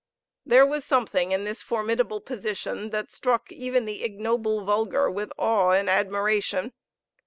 There was something in this formidable position that struck even the ignoble vulgar with awe and admiration.